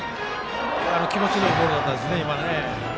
気持ちのいいボールだったですね。